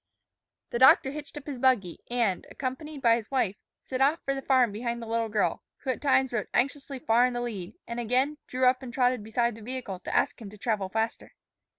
The doctor hitched up his buggy and, accompanied by his wife, set off for the farm behind the little girl, who at times rode anxiously far in the lead, and, again, drew up and trotted beside the vehicle to ask him to travel faster.